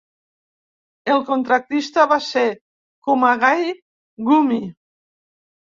El contractista va ser Kumagai Gumi.